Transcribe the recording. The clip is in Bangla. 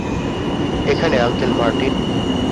এখানে, আঙ্কেল মার্টিন।